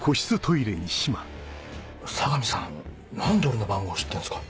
相模さん何で俺の番号知ってんすか？